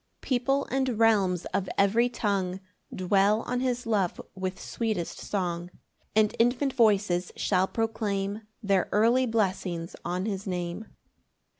5 People and realms of every tongue Dwell on his love with sweetest song: And infant voices shall proclaim Their early blessings on his Name.